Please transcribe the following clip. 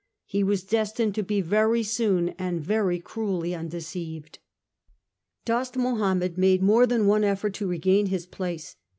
He was destined to be very soon and very cruelly undeceived. Dost Mahomed made more than one effort to regain his place.